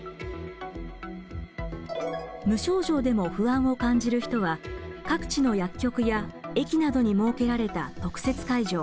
無症状でも不安を感じる人は各地の薬局や駅などに設けられた特設会場